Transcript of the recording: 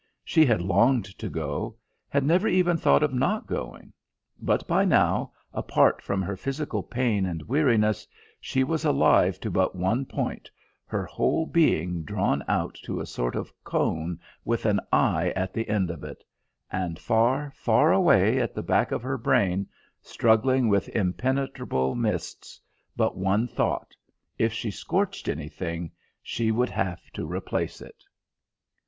She had longed to go, had never even thought of not going; but by now, apart from her physical pain and weariness, she was alive to but one point, her whole being drawn out to a sort of cone with an eye at the end of it; and far, far away at the back of her brain, struggling with impenetrable mists, but one thought if she scorched anything, she would have to replace it.